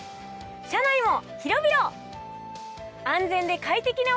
車内も広々。